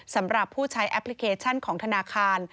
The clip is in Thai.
สำหรับผู้ใช้แอปพลิเคชันของธนาคาร